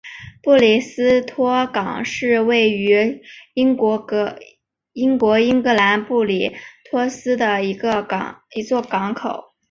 布里斯托港是位于英国英格兰布里斯托的一座港口。